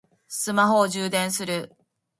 スマホを充電する